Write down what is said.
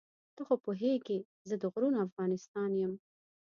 ته خو پوهېږې زه د غرونو افغانستان یم.